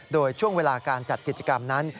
โดยช่วงเวลาการจัดกิจกรรมนั้น